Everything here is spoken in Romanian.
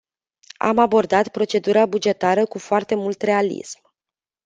Am abordat procedura bugetară cu foarte mult realism.